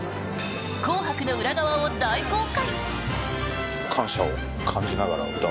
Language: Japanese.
「紅白」の裏側を大公開。